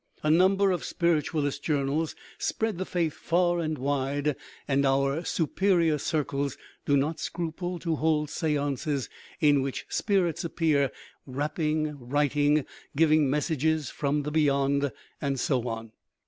A number of spiritualist journals spread the faith far and wide, and our " superior cir cles " do not scruple to hold seances in which " spirits " appear, rapping, writing, giving messages from " the beyond," and so on.